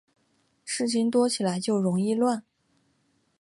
事情多起来就容易乱